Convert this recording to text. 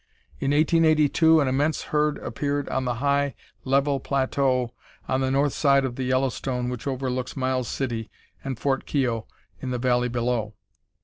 In 1882 an immense herd appeared on the high, level plateau on the north side of the Yellowstone which overlooks Miles City and Fort Keogh in the valley below.